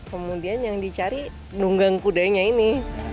kemudian yang dicari nunggang kudanya ini